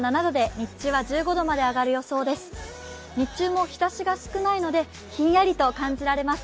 日中も日ざしが少ないので、ひんやりと感じられます。